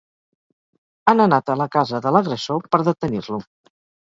Han anat a la casa de l'agressor per detenir-lo.